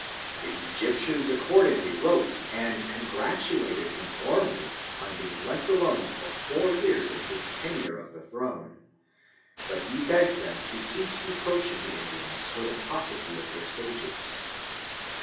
The Egyptians accordingly wrote and congratulated him warmly on being left alone*for four» years in his tenure of this throne, but he. begged them to cease reproaching the Indians for . the. paucity of their. sages.